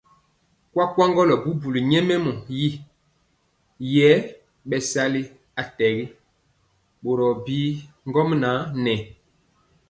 Kuakuagɔ bubuli nyɛmemɔ yi yɛɛ bɛsali atɛgi kora bi ŋgomnaŋ nɛ.